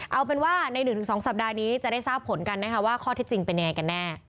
เอาเป็นว่าใน๑๒สัปดาห์นี้จะได้ทราบผลกันนะคะว่าข้อเท็จจริงเป็นยังไงกันแน่